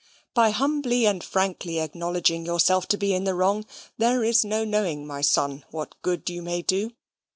By humbly and frankly acknowledging yourself to be in the wrong, there is no knowing, my son, what good you may do.